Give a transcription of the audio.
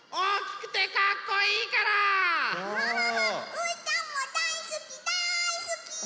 うーたんもだいすきだいすき！